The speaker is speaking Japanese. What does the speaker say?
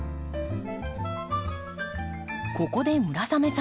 ここで村雨さん